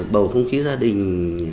bầu không khí gia đình